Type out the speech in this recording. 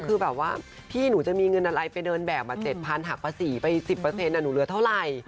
คือแบบว่าพี่หนูจะมีเงินอะไรไปเดินแบบมา๗๐๐หักภาษีไป๑๐หนูเหลือเท่าไหร่